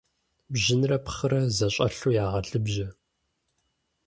Бжьынрэ пхъырэ зэщӀэлъу ягъэлыбжьэ.